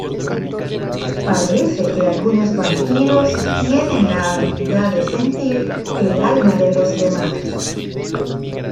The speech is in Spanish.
Parece que algunos vampiros tienen la habilidad de sentir el alma de los demás.